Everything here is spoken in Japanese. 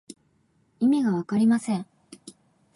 意味がわかりません。